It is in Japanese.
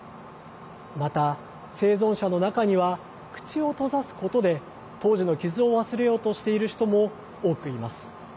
また、生存者の中には口を閉ざすことで当時の傷を忘れようとしている人も多くいます。